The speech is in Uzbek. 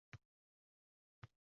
Yiqilayotib nimadir deb qichqirdi